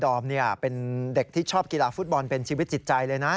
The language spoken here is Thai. อมเป็นเด็กที่ชอบกีฬาฟุตบอลเป็นชีวิตจิตใจเลยนะ